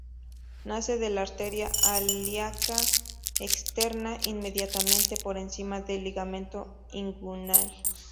Nace de la arteria ilíaca externa inmediatamente por encima del ligamento inguinal.